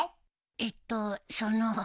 えっとその。